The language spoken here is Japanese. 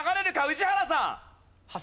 宇治原さん。